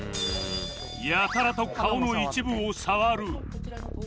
やたらと顔の一部を触る